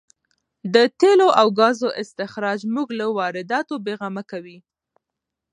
د تېلو او ګازو استخراج موږ له وارداتو بې غمه کوي.